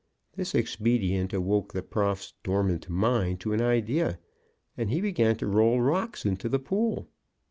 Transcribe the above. This expedient awoke the Prof.'s dormant mind to an idea, and he began to roll rocks into the Pool.